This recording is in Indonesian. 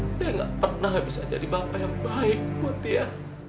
saya nggak pernah bisa jadi bapak yang baik buat dia